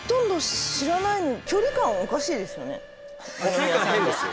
距離感変ですよ。